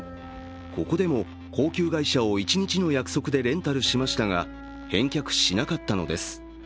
ここでも高級外車を１日の約束でレンタルしましたが返却しなかったのです。